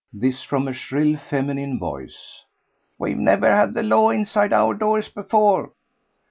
This from a shrill feminine voice. "We've never had the law inside our doors before."